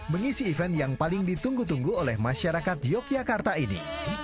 mengisi event yang paling ditunggu tunggu oleh masyarakat yogyakarta ini